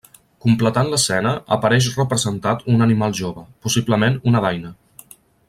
Completant l'escena apareix representat un animal jove, possiblement una daina.